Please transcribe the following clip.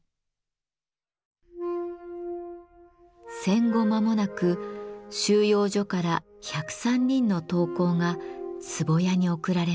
戦後まもなく収容所から１０３人の陶工が壺屋に送られました。